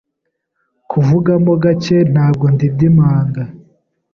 kuvugamo gacye nabwo ndidimanga